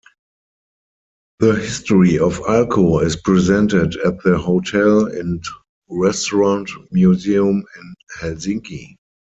The history of Alko is presented at the Hotel and Restaurant Museum in Helsinki.